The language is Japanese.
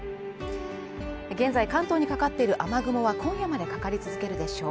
現在、関東にかかっている雨雲は今夜までかかり続けるでしょう。